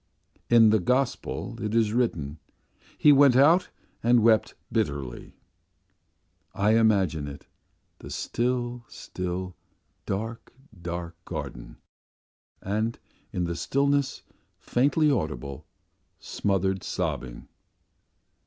In the Gospel it is written: 'He went out and wept bitterly.' I imagine it: the still, still, dark, dark garden, and in the stillness, faintly audible, smothered sobbing..."